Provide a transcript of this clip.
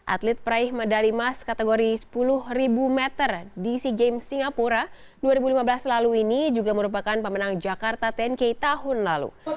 atlet praih medali emas kategori sepuluh meter di sea games singapura dua ribu lima belas lalu ini juga merupakan pemenang jakarta sepuluh k tahun lalu